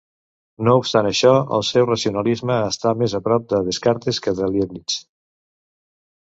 No obstant això, el seu racionalisme està més prop de Descartes que de Leibniz.